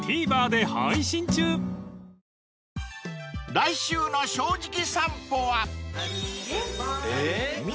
［来週の『正直さんぽ』は］